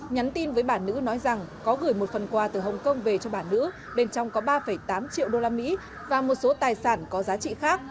nhắn tin với bà nữ nói rằng có gửi một phần quà từ hồng kông về cho bà nữ bên trong có ba tám triệu usd và một số tài sản có giá trị khác